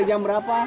dari jam berapa